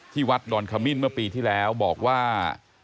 วัดดอนขมิ้นเมื่อปีที่แล้วบอกว่า